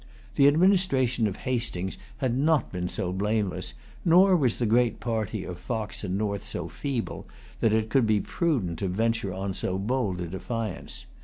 The administration of Hastings had not been so blameless, nor was the great party of Fox and North so feeble, that it could be prudent to venture on so bold a defiance.